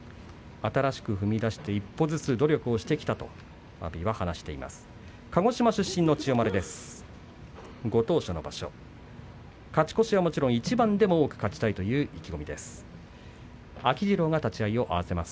新しく踏み出して一歩ずつ努力をしてきたと阿炎は話しています。